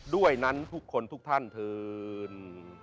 ด้วยนั้นทุกคนทุกท่านเถิน